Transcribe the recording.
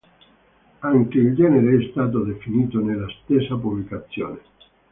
Anche il genere è stato definito nella stessa pubblicazione.